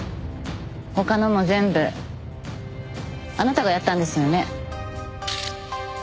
他のも全部あなたがやったんですよね？